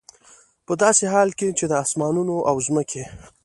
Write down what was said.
په داسي حال كي چي د آسمانونو او زمكي